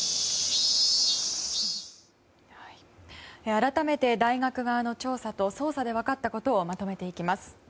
改めて大学側の調査と捜査で分かったことをまとめていきます。